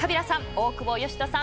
大久保嘉人さん